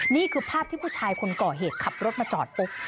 นี่คือภาพที่ผู้ชายคนก่อเหตุขับรถมาจอดปุ๊บ